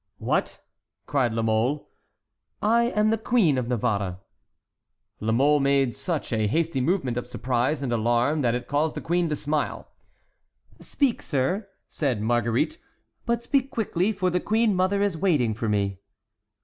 "What?" cried La Mole. "I am the Queen of Navarre." La Mole made such a hasty movement of surprise and alarm that it caused the queen to smile. "Speak, sir," said Marguerite, "but speak quickly, for the queen mother is waiting for me."